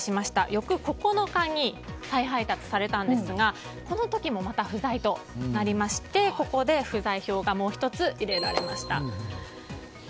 翌９日に、再配達されたんですがこの時もまた不在となりましてここで不在票がもう１つ入れられました。